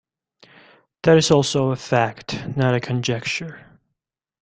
That is also a fact, not a conjecture.